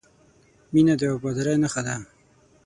• مینه د وفادارۍ نښه ده.